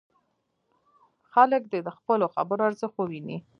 خلک دې د خپلو خبرو ارزښت وویني.